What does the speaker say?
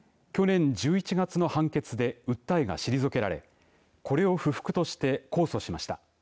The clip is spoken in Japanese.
去年１１月の判決で訴えが退けられこれを不服として控訴しました。